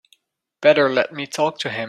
Better let me talk to him.